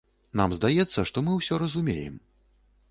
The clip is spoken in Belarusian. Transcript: Нам здаецца, што мы ўсё разумеем.